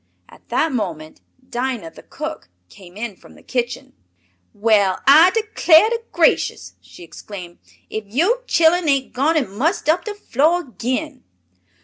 At that moment, Dinah, the cook, came in from the kitchen. "Well, I declar' to gracious!" she exclaimed. "If yo' chillun ain't gone an' mussed up de floah ag'in!"